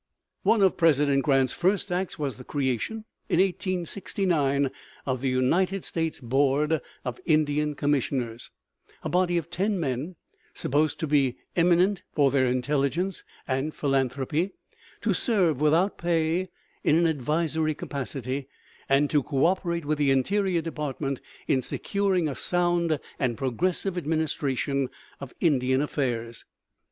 One of President Grant's first acts was the creation, in 1869, of the United States Board of Indian Commissioners, a body of ten men supposed to be "eminent for their intelligence and philanthropy," to serve without pay in an advisory capacity, and to coöperate with the Interior Department in securing a sound and progressive administration of Indian affairs.